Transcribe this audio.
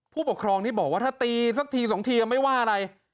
ผู้ปกครองที่บอกว่าถ้าตีสักทีสองทียังไม่ว่าอะไร